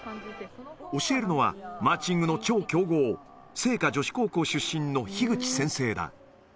教えるのは、マーチングの超強豪、精華女子高校出身の樋口先生だ。